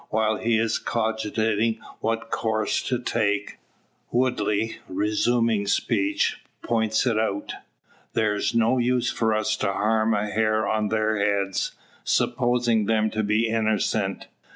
While he is cogitating what course to take, Woodley, resuming speech, points it out. "'Thar's no use for us to harm a hair on thar beads, supposin' them to be innercent.